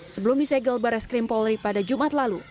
sebelum disegel barres krim polri pada jumat lalu